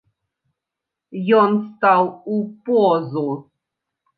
Ён стаў у позу.